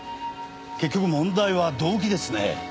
結局問題は動機ですね。